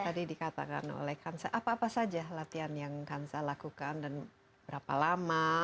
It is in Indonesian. tadi dikatakan oleh kansa apa apa saja latihan yang kansa lakukan dan berapa lama